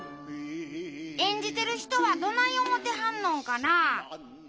演じてる人はどない思てはんのんかなあ？